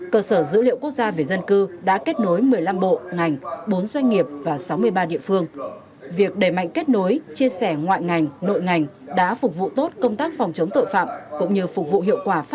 cơ sở dữ liệu quốc gia về dân cư đã kết nối một mươi năm bộ ngành bốn doanh nghiệp và sáu doanh nghiệp